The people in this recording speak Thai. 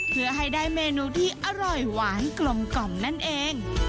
เพื่อให้ได้เมนูที่อร่อยหวานกลมกล่อมนั่นเอง